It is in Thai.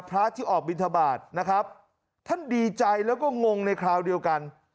พระที่ออกบินทบาทนะครับท่านดีใจแล้วก็งงในคราวเดียวกัน